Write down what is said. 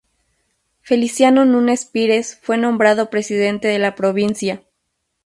Feliciano Nunes Pires fue nombrado presidente de la provincia.